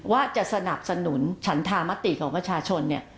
ว่าจะสนับสนุนชันธามติของวัชชน